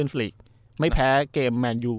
โอ้โห